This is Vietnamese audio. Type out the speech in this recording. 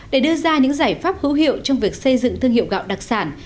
để đưa ra những giải pháp hữu hiệu trong việc xây dựng thương hiệu gạo đặc sản